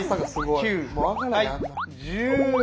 １０。